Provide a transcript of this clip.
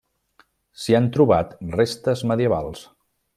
S'hi han trobat restes medievals.